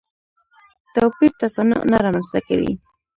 توپیر تصنع نه رامنځته کوي.